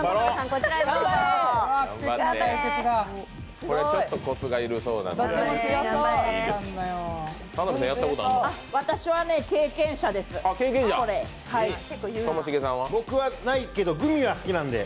これはちょっとコツが要るそうなんで。